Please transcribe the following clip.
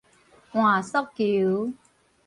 換速球